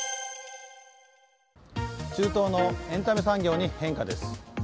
中東のエンタメ産業に変化です。